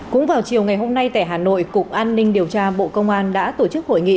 cũng vào chiều ngày hôm nay tại hà nội cục an ninh điều tra bộ công an đã tổ chức hội nghị